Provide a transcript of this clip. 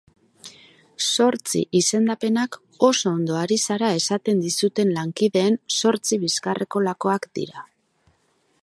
Zortzi izendapenak oso ondo ari zara esaten dizuten lankideen zortzi bizkarreko lakoak dira.